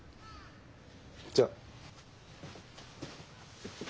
じゃあ。